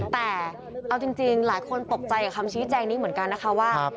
แต่เอาจริงหลายคนตกใจกับคำชี้แจงนี้เหมือนกันนะคะว่า